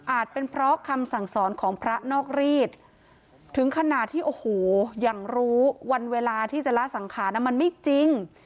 เป็นเพราะคำสั่งสอนของพระนอกรีดถึงขนาดที่โอ้โหอย่างรู้วันเวลาที่จะละสังขารมันไม่จริง